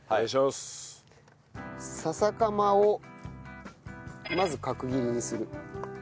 笹かまをまず角切りにする。